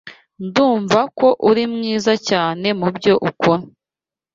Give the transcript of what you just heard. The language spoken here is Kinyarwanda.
Ndumva ko uri mwiza cyane mubyo ukora.